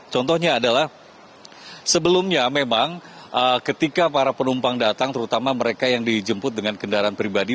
contohnya adalah sebelumnya memang ketika para penumpang datang terutama mereka yang dijemput dengan kendaraan pribadi